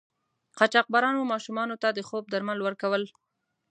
قاچاقبرانو ماشومانو ته د خوب درمل ورکول.